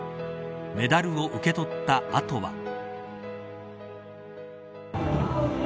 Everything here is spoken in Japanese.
メダルを受け取った後は。